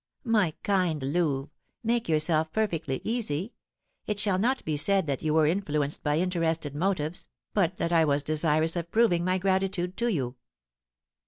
"My kind Louve, make yourself perfectly easy; it shall not be said that you were influenced by interested motives, but that I was desirous of proving my gratitude to you."